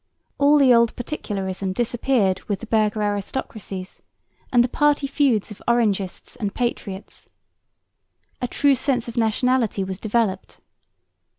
All the old particularism disappeared with the burgher aristocracies, and the party feuds of Orangists and patriots. A true sense of nationality was developed.